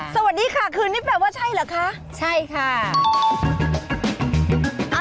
สวัสดีค่ะคืนนี้แปลว่าใช่เหรอคะใช่ค่ะ